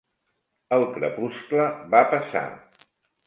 El crepuscle va passar.